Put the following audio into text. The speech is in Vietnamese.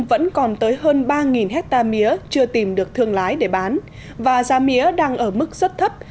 vẫn còn tới hơn ba hectare mía chưa tìm được thương lái để bán và giá mía đang ở mức rất thấp